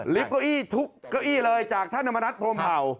เก้าอี้ทุกเก้าอี้เลยจากท่านธรรมนัฐพรมเผ่า